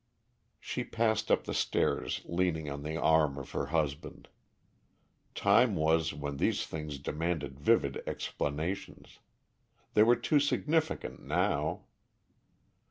She passed up the stairs leaning on the arm of her husband. Time was when these things demanded vivid explanations. They were too significant now.